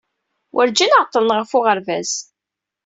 Werǧin ɛeḍḍlen ɣef uɣerbaz.